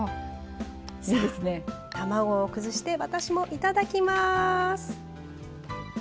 卵を崩して私もいただきます！